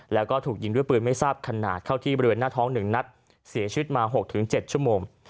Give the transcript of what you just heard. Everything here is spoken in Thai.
แล้วก็ถูกยิงด้วยปืนไม่ทราบขนาดเข้าที่บริเวณหน้าท้อง๑นัดเสียชีวิตมา๖๗ชั่วโมง